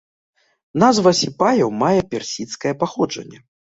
Назва сіпаяў мае персідскае паходжанне.